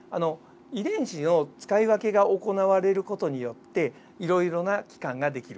遺伝子の使い分けが行われる事によっていろいろな器官ができる。